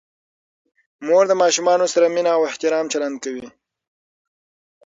مور د ماشومانو سره مینه او احترام چلند کوي.